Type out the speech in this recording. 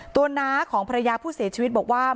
น้าของภรรยาผู้เสียชีวิตบอกว่า